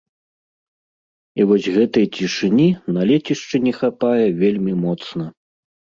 І вось гэтай цішыні на лецішчы не хапае вельмі моцна.